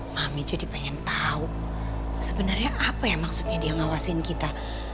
mami jadi pengen tahu sebenarnya apa ya maksudnya dia ngawasin kita